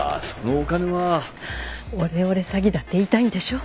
オレオレ詐欺だって言いたいんでしょ？